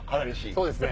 そうですね。